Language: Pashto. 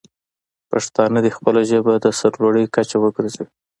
پښتانه دې خپله ژبه د سر لوړۍ کچه وګرځوي.